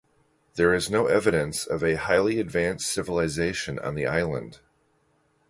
There is no evidence of a highly advanced civilization on the island.